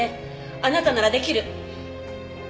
あなたなら出来る。